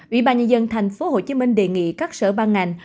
ủy ban nhân dân thành phố hồ chí minh đề nghị các sở ban ngành